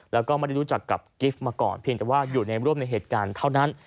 แล้วก็ไม่ได้รู้จักกับกิฟต์มาก่อนเพียงแต่ว่าอยู่ในร่วมในเหตุการณ์เท่านั้น